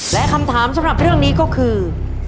และคำถามสำหรับเรื่องนี้ก็คือ